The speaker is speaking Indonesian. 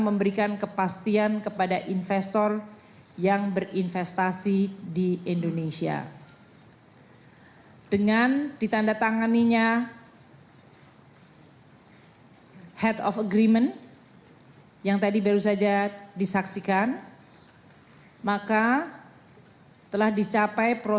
kementerian keuangan telah melakukan upaya upaya